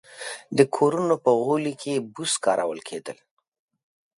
د کورونو په غولي کې بوس کارول کېدل